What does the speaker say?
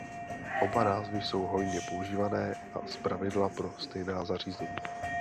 Oba názvy jsou hojně používané a zpravidla pro stejná zařízení.